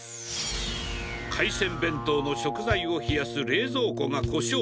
海鮮弁当の食材を冷やす冷蔵庫が故障。